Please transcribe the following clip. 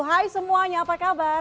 hai semuanya apa kabar